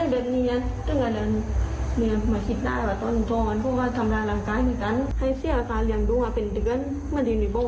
เหมือนจะไปลืมชีวิตไม่ได้แล้วแบบนี้น่ะตั้งแต่เหมือนคิดได้ว่าต้น